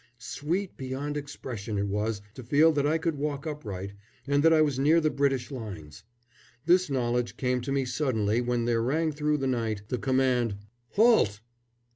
Sweet beyond expression it was to feel that I could walk upright, and that I was near the British lines. This knowledge came to me suddenly when there rang through the night the command: "Halt!"